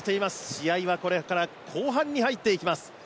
試合はこれから後半に入っていきます。